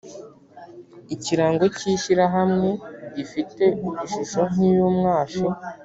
Ikirango cy’ ishyirahamwe gifite ishusho nkiy’umwashi